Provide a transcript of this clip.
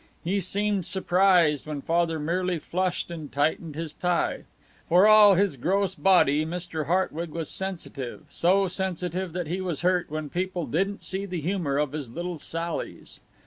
He seemed surprised when Father merely flushed and tightened his tie. For all his gross body, Mr. Hartwig was sensitive so sensitive that he was hurt when people didn't see the humor of his little sallies.